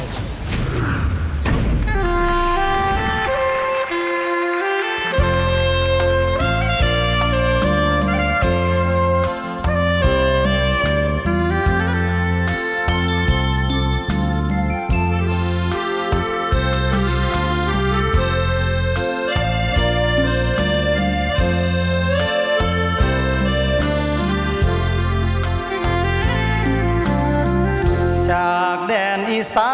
ช่วยฝังดินหรือกว่า